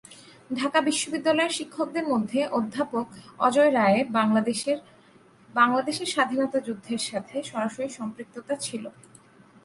ঢাকা বিশ্ববিদ্যালয়ের শিক্ষকদের মধ্যে অধ্যাপক অজয় রায়ের বাংলাদেশের বাংলাদেশের স্বাধীনতা যুদ্ধের সাথে সরাসরি সম্পৃক্ততা ছিলো।